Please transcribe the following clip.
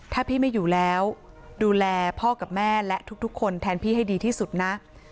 ถ้าพี่ไม่อยู่แล้วดูแลพ่อกับแม่และทุกคนแทนพี่ให้ดีที่สุดนะ